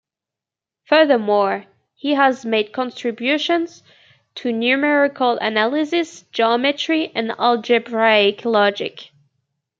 Furthermore, he has made contributions to numerical analysis, geometry, and algebraic logic.